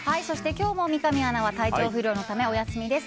今日も三上アナは体調不良のためお休みです。